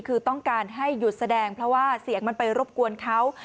คือต้องการให้หยุดแสดงเพราะว่าเสียงมันไปรบกวนเขา